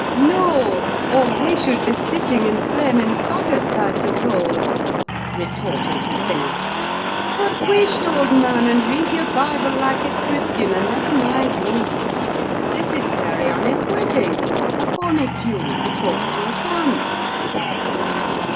"No! or we should be sitting in flaming fagots, I suppose," retorted the singer. "But wisht, old man, and read your Bible like a Christian, and never mind me. This is 'Fairy Annie's Wedding'—a bonny tune—it goes to a dance."